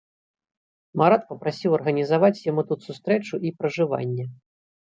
Марат папрасіў арганізаваць яму тут сустрэчу і пражыванне.